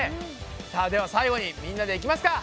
さあでは最後にみんなでいきますか！